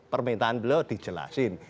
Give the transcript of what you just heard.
permintaan beliau dijelasin